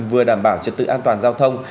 vừa đảm bảo trật tự an toàn giao thông